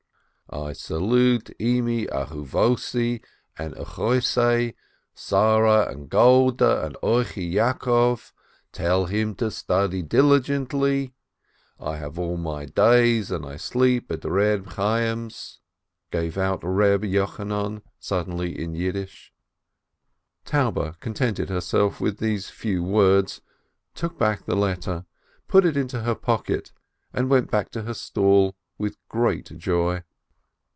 "I salute Immi ahuvossi and Achoissai, Sarah and Goldeh, and Ochi Yakov; tell him to study diligently. I have all my 'days' and I sleep at Eeb Chayyim's," gave out Eeb Yochanan suddenly in Yiddish. Taube contented herself with these few words, took back the letter, put it in her pocket, and went back to her stall with great joy.